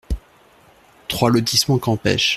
trois lotissement Campêche